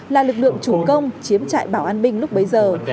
là lực lượng chủ công chiếm trại bảo an binh lúc bấy giờ